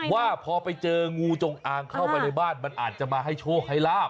ว่าพอไปเจองูจงอางเข้าไปในบ้านมันอาจจะมาให้โชคให้ลาบ